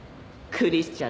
クリスチャン？